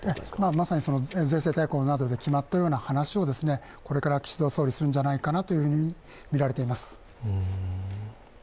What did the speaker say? まさにその税制大綱などで決まったような話を、これから岸田総理、するんじゃないかなとみられています。